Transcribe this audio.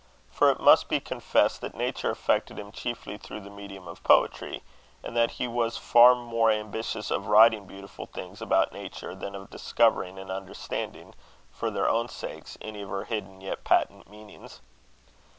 For it must be confessed that nature affected him chiefly through the medium of poetry; and that he was far more ambitious of writing beautiful things about nature than of discovering and understanding, for their own sakes, any of her hidden yet patent meanings.